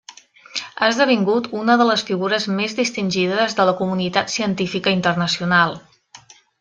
Ha esdevingut una de les figures més distingides de la comunitat científica internacional.